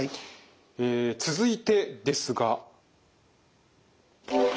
え続いてですが。